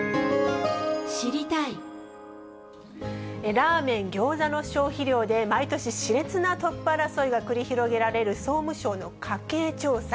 ラーメン、ギョーザの消費量で毎年しれつなトップ争いが繰り広げられる総務省の家計調査。